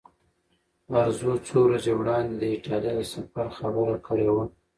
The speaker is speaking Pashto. ارزو څو ورځې وړاندې د ایټالیا د سفر خبره کړې وه.